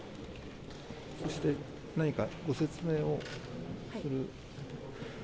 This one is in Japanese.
そして何かご説明をする。